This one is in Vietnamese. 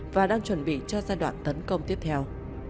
và đang chuẩn bị cho giai đoạn tấn công tiếp theo